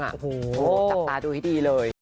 จับตาดูให้ดีเลย